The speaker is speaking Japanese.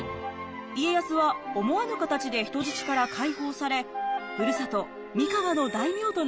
家康は思わぬ形で人質から解放されふるさと三河の大名となったのです。